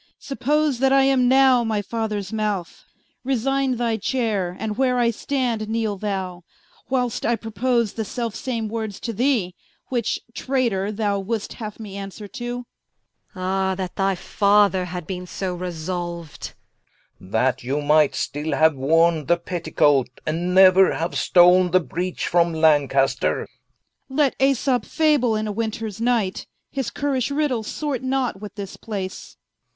Suppose that I am now my Fathers Mouth, Resigne thy Chayre, and where I stand, kneele thou, Whil'st I propose the selfe same words to thee, Which (Traytor) thou would'st haue me answer to Qu. Ah, that thy Father had beene so resolu'd Rich. That you might still haue worne the Petticoat, And ne're haue stolne the Breech from Lancaster Prince. Let Aesop fable in a Winters Night, His Currish Riddles sorts not with this place Rich.